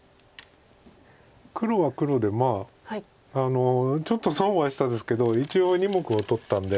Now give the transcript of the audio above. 黒は黒でちょっと損はしたですけど一応２目を取ったんで。